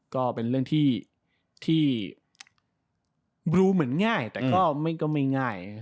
ก็เป็นเรื่องที่บลูเหมือนง่ายแต่ก็ไม่ง่าย